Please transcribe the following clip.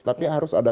tapi harus ada